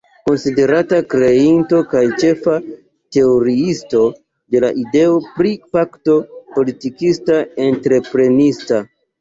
Konsiderata kreinto kaj ĉefa teoriisto de la ideo pri pakto politikista-entreprenista.